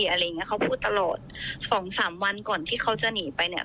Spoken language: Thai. อะไรอย่างเงี้เขาพูดตลอดสองสามวันก่อนที่เขาจะหนีไปเนี้ย